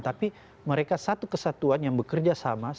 tapi mereka satu kesatuan yang bekerja sama